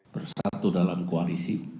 bersatu dalam koalisi